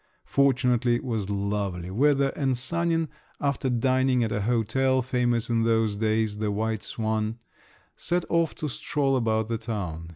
Fortunately it was lovely weather, and Sanin after dining at a hotel, famous in those days, the White Swan, set off to stroll about the town.